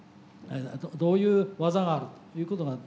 どういう技があるということが出てきます。